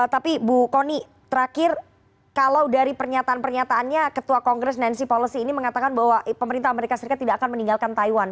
tapi bu kony terakhir kalau dari pernyataan pernyataannya ketua kongres nancy policy ini mengatakan bahwa pemerintah amerika serikat tidak akan meninggalkan taiwan